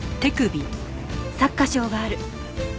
擦過傷がある。